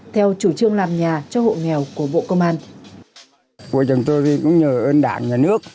theo chủ trương làm nhà cho hộ nghèo của bộ công an